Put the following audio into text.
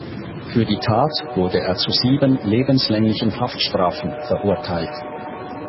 Für die Tat wurde er zu sieben lebenslänglichen Haftstrafen verurteilt.